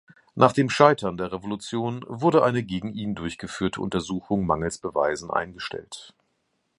Nach dem Scheitern der Revolution wurde eine gegen ihn durchgeführte Untersuchung mangels Beweisen eingestellt.